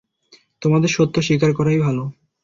তোমাদের সত্য স্বীকার করাই ভালো।